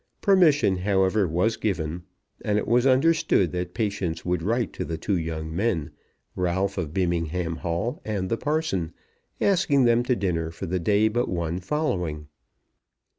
Permission, however, was given, and it was understood that Patience would write to the two young men, Ralph of Beamingham Hall and the parson, asking them to dinner for the day but one following.